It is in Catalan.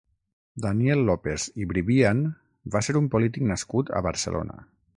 Daniel López i Bribian va ser un polític nascut a Barcelona.